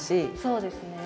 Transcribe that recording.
そうですね。